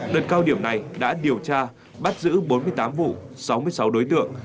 đợt cao điểm này đã điều tra bắt giữ bốn mươi tám vụ sáu mươi sáu đối tượng